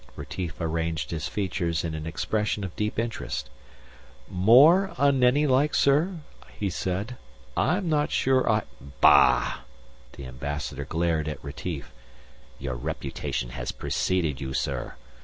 Retief arranged his features in an expression of deep interest. "More un Nenni like, sir?" he said. "I'm not sure I " "Bah!" The Ambassador glared at Retief, "Your reputation has preceded you, sir.